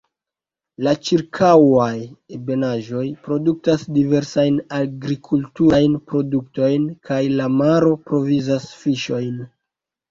La ĉirkaŭaj ebenaĵoj produktas diversajn agrikulturajn produktojn, kaj la maro provizas fiŝojn.